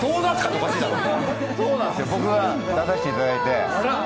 僕が出させていただいて。